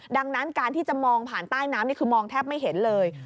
ดังนั้นการที่จะมองผ่านใต้น้ำนี่คือมองแทบไม่เห็นเลย